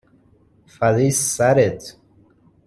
فدای سرت